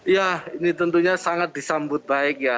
ya ini tentunya sangat disambut baik ya